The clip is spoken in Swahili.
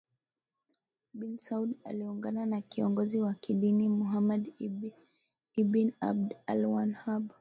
bin Saud aliungana na kiongozi wa kidini Muhammad ibn Abd alWahhab